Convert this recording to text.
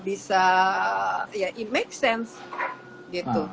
bisa ya it makes sense gitu